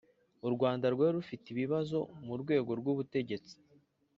U Rwanda rwari rufite ibibazo mu rwego rw'ubutegetsi